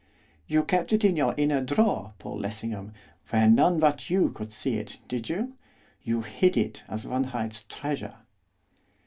'You kept it in your inner drawer, Paul Lessingham, where none but you could see it, did you? You hid it as one hides treasure.